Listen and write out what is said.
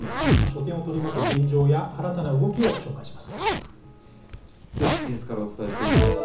書店を取り巻く現状や、新たな動きを紹介します。